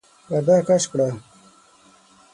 پرده کش کړه!